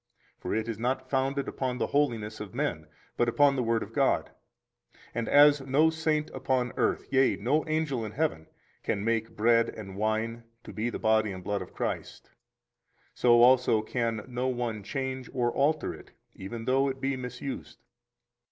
For it is not founded upon the holiness of men, but upon the Word of God. And as no saint upon earth, yea, no angel in heaven, can make bread and wine to be the body and blood of Christ, so also can no one change or alter it, even though it be misused.